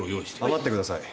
待ってください。